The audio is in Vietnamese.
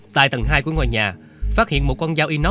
tại tầng hai của ngoài nhà phát hiện một con dao inox gọt